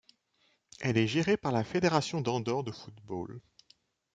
Elle est gérée par la Fédération d'Andorre de football.